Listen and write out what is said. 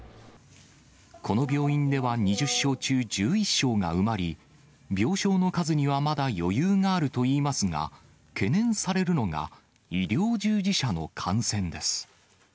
この病院では２０床中１１床が埋まり、病床の数にはまだ余裕があるといいますが、懸念されるのが医療従事者の感染です。